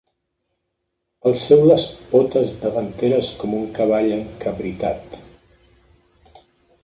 Alceu les potes davanteres com un cavall encabritat.